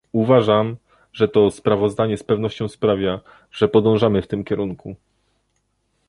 Uważam, że to sprawozdanie z pewnością sprawia, że podążamy w tym kierunku